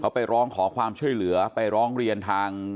เขาไปร้องขอความช่วยเหลือไปร้องเรียนทาง